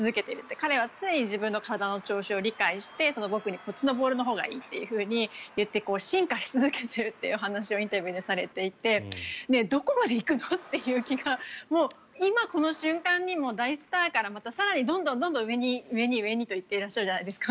彼は常に体の調子を自覚して僕にこっちのボールのほうがいいと言って進化し続けているという話をインタビューでされていてどこまで行くの？という気が今この瞬間にも大スターから更にどんどん上に上にと行ってらっしゃるじゃないですか。